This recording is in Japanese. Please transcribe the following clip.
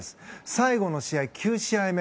最後の試合、９試合目。